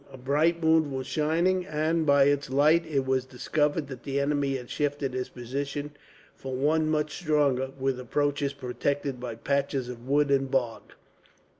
A bright moon was shining and, by its light, it was discovered that the enemy had shifted his position for one much stronger, with approaches protected by patches of wood and bog.